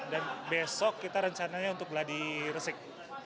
dan besok kita rencananya untuk beladi resik